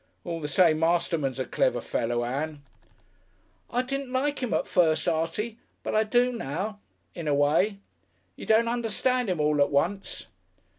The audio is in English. All the same Masterman's a clever fellow, Ann." "I didn't like 'im at first, Artie, but I do now in a way. You don't understand 'im all at once."